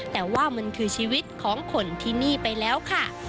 แต่ว่ามันคือชีวิตของคนที่นี่ไปแล้วค่ะ